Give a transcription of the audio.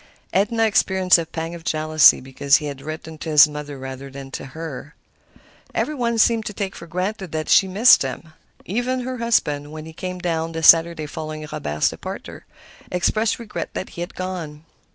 Edna experienced a pang of jealousy because he had written to his mother rather than to her. Every one seemed to take for granted that she missed him. Even her husband, when he came down the Saturday following Robert's departure, expressed regret that he had gone.